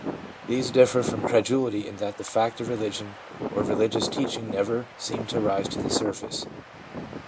These differ from credulity in that the fact of religion or of religious teaching never seemed to rise to the surface.